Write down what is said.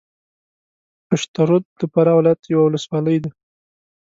پشترود د فراه ولایت یوه ولسوالۍ ده